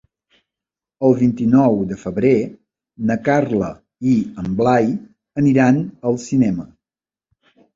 El vint-i-nou de febrer na Carla i en Blai aniran al cinema.